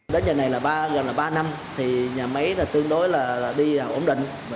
đến giờ này gần là ba năm thì nhà máy tương đối là đi ổn định